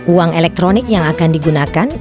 uang elektronik yang akan digunakan